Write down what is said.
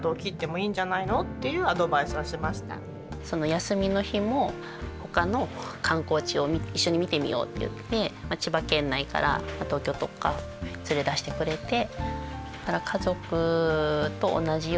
休みの日もほかの観光地を一緒に見てみようって言って千葉県内から東京とか連れ出してくれて。